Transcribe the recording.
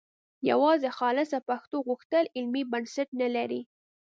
یوازې خالصه پښتو غوښتل علمي بنسټ نه لري